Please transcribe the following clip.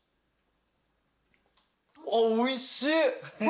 おいしい。